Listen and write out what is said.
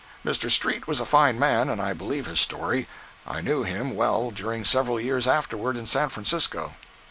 Mr. Street was a fine man, and I believe his story. I knew him well during several years afterward in San Francisco.